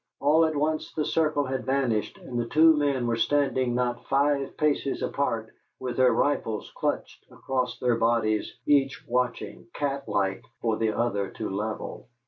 All at once the circle had vanished, and the two men were standing not five paces apart with their rifles clutched across their bodies, each watching, catlike, for the other to level.